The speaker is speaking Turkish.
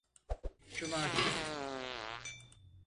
Cuma günü.